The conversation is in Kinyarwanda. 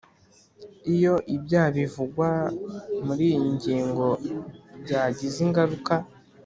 Iyo ibyaha bivugwa muri iyi ngingo byagize ingaruka